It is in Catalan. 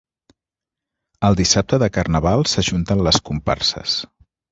El dissabte de carnaval s'ajunten les comparses.